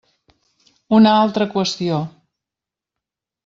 Una altra qüestió.